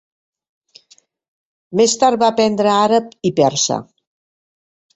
Més tard va aprendre àrab i persa.